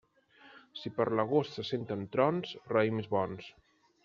Si per l'agost se senten trons, raïms bons.